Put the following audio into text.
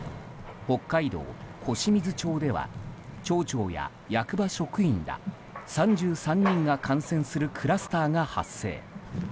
北海道小清水町では町長や役場職員ら３３人が感染するクラスターが発生。